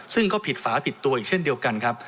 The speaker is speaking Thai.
ซึ่งก็ผิดฝาผิดตัวอีกเช่นเดียวกันครับ